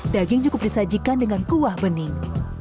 daging cukup disajikan dengan kuah bening